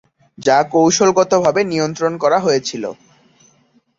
যা কৌশলগতভাবে নিয়ন্ত্রণ করা হয়েছিল।